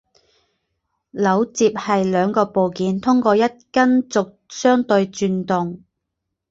枢接是两个部件通过一根轴相对转动。